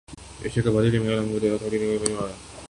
Asia cup بھارتی team کا اعلان ویرات کوہلی ٹیم سے باہر